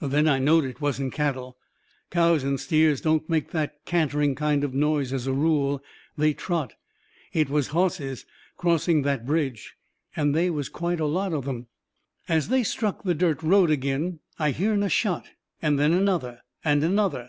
Then I knowed it wasn't cattle. Cows and steers don't make that cantering kind of noise as a rule; they trot. It was hosses crossing that bridge. And they was quite a lot of 'em. As they struck the dirt road agin, I hearn a shot. And then another and another.